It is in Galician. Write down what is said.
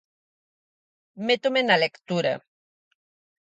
Métome na lectura.